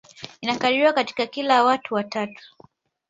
Inakadiriwa katika kila watu watatu